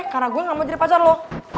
karena gue gak mau jadi pacar lo